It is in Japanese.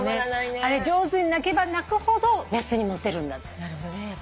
あれ上手に鳴けば鳴くほど雌にモテるんだって。